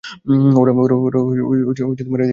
ওরা এদিকেই আসছে!